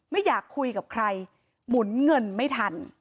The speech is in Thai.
ไม่อยากคุยกับใครหมุนเงินไม่ทัน